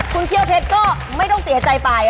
คุณเขี้ยวเพชรก็ไม่ต้องเสียใจไป